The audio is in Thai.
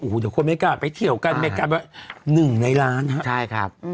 เดี๋ยวคนไม่กล้าไปเที่ยวกันไม่กล้าไป๑ในล้านฮะใช่ครับ